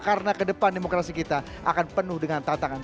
karena kedepan demokrasi kita akan penuh dengan tantangan